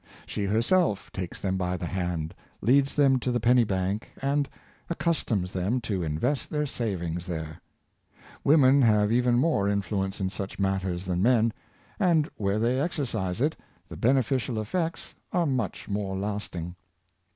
She herself takes them by the hand, leads them to the penny bank, and 440 The Wife a Helpmeet, accustoms them to invest their savings there. Women have even more influence in such matters than men; and where they exercise it, the beneficial eflfects are much more lasting.